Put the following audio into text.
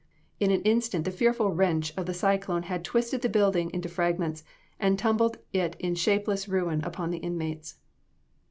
In an instant the fearful wrench of the cyclone had twisted the building into fragments, and tumbled it in shapeless ruin upon the inmates.